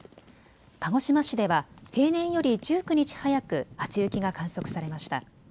鹿児島市では平年より１９日早く初雪が観測されました。